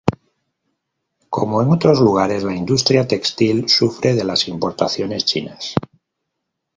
Como en otros lugares, la industria textil sufre de las importaciones chinas.